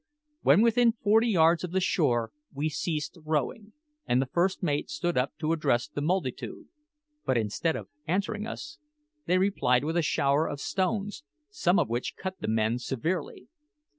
When within forty yards of the shore we ceased rowing, and the first mate stood up to address the multitude; but instead of answering us, they replied with a shower of stones, some of which cut the men severely.